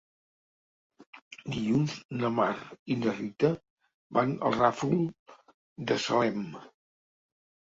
Dilluns na Mar i na Rita van al Ràfol de Salem.